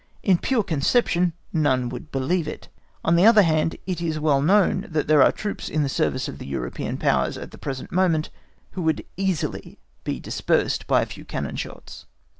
In pure conception no one would believe it. On the other hand, it is well known that there are troops in the service of European Powers at the present moment who would easily be dispersed by a few cannon shots.